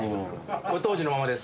これ、当時のままです。